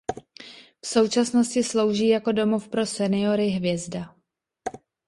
V současnosti slouží jako domov pro seniory „Hvězda“.